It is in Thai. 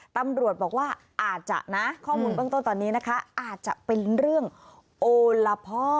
ตำรวจบอกว่าอาจจะนะข้อมูลเบื้องต้นตอนนี้นะคะอาจจะเป็นเรื่องโอละพ่อ